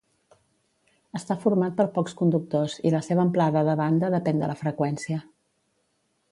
Està format per pocs conductors i la seva amplada de banda depèn de la freqüència.